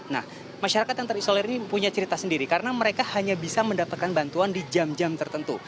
nah masyarakat yang terisolir ini punya cerita sendiri karena mereka hanya bisa mendapatkan bantuan di jam jam tertentu